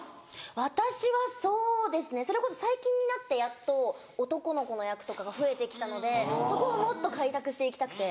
私はそうですねそれこそ最近になってやっと男の子の役とかが増えてきたのでそこをもっと開拓していきたくて。